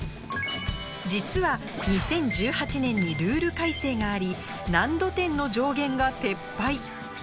実は、２０１８年にルール改正があり難度点の上限が撤廃。